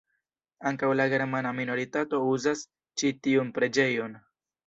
Ankaŭ la germana minoritato uzas ĉi tiun preĝejon.